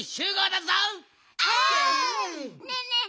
ねえねえ